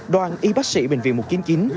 đoàn y bác sĩ bệnh viện một trăm chín mươi chín